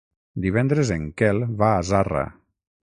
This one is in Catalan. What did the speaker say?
Divendres en Quel va a Zarra.